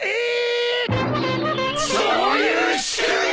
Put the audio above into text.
そういう仕組み！？